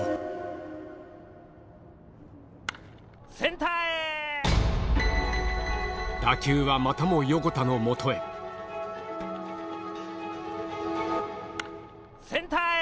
ボールは打球はまたも横田の元へセンターへ！